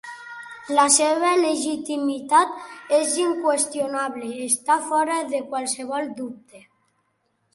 La seva legitimitat és inqüestionable, està fora de qualsevol dubte.